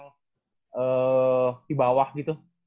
eee di bawah gitu